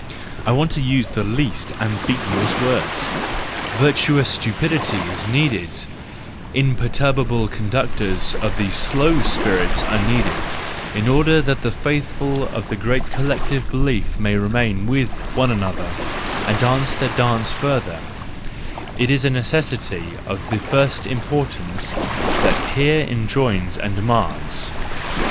I want to use the least ambiguous WO rd,— virtuous stupidity is needed, imperturbable conductors of the slow spirits are needed, in order that the faithful of the great collective belief may remain with one another and dance their dance further: it is a necessity of the first importance that here enjoins and demands.